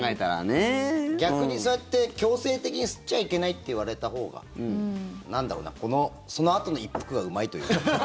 逆にそうやって強制的に吸っちゃいけないっていわれたほうがそのあとの一服がうまいというか。